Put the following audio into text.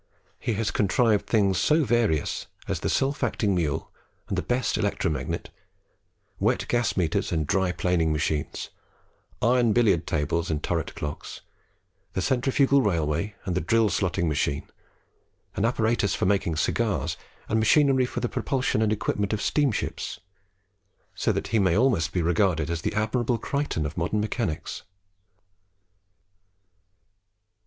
He has contrived things so various as the self acting mule and the best electro magnet, wet gas meters and dry planing machines, iron billard tables and turret clocks, the centrifugal railway and the drill slotting machine, an apparatus for making cigars and machinery for the propulsion and equipment of steamships; so that he may almost be regarded as the Admirable Crichton of modern mechanics.